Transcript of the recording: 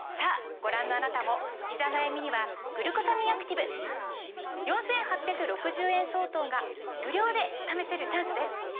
ご覧のあなたもひざ悩みには「グルコサミンアクティブ」４，８６０円相当が無料で試せるチャンスです！